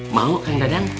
mau kaya yang tadi anda